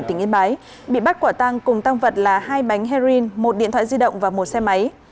tỉnh yên bái bị bắt quả tăng cùng tăng vật là hai bánh heroin một điện thoại di động và một xe máy